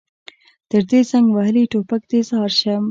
تر دې زنګ وهلي ټوپک دې ځار شم.